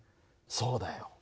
そうだよ。